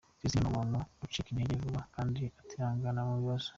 Christine ni umuntu ucika intege vuba kandi utihangana mu bibazo.